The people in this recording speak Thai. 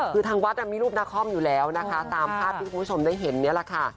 คือทางวัดมีรูปนาคอมอยู่แล้วนะคะตามภาพที่คุณผู้ชมได้เห็นนี่แหละค่ะ